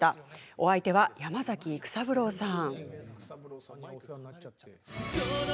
お相手は山崎育三郎さん。